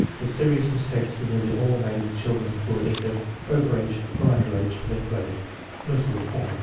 The serious mis takes were nearly all made with children who were either over age or under age for their grade, mostly the former.